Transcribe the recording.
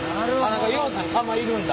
ようさん釜いるんだ。